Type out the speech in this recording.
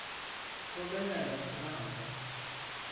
Kolları arasına aldı.